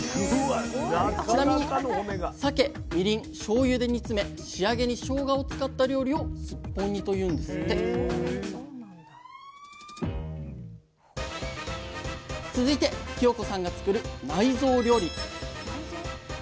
ちなみに酒みりんしょうゆで煮詰め仕上げにしょうがを使った料理をすっぽん煮というんですって続いてキヨ子さんが作る内臓料理。